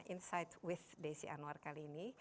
insight with desi anwar kali ini